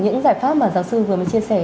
những giải pháp mà giáo sư vừa mới chia sẻ